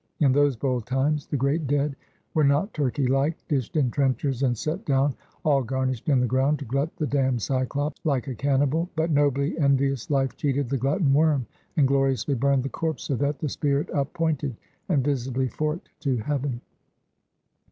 in those bold times, the great dead were not, turkey like, dished in trenchers, and set down all garnished in the ground, to glut the damned Cyclop like a cannibal; but nobly envious Life cheated the glutton worm, and gloriously burned the corpse; so that the spirit up pointed, and visibly forked to heaven!